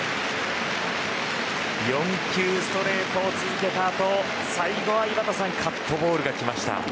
４球ストレートを続けたあと最後は井端さんカットボールが来ました。